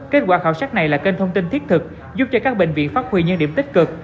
kết quả khảo sát này là kênh thông tin thiết thực giúp cho các bệnh viện phát huy những điểm tích cực